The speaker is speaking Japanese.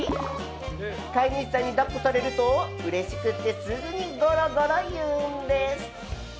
飼い主さんにだっこされるとうれしくてすぐにゴロゴロいうんです。